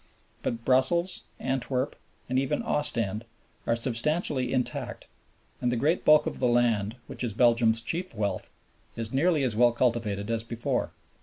But Brussels, Antwerp, and even Ostend are substantially intact, and the great bulk of the land, which is Belgium's chief wealth, is nearly as well cultivated as before.